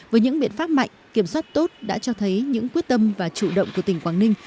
với những biện pháp mạnh kiểm soát tốt đã cho thấy những quyết tâm và chủ động của tỉnh quảng ninh